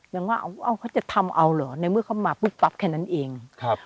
ยังว่าเขาจะทำเอาเหรอในเมื่อเขามาปุ๊บปั๊บแค่นั้นเอง